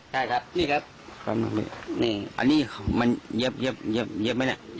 ใช่ครับนี่ครับนี่อันนี้มันเย็บเย็บเย็บเย็บไหมเนี่ย